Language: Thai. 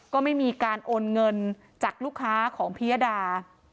ก็ไม่มีการโอนเงินจากลูกค้าของพิยดา